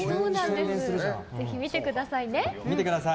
ぜひ見てくださいね。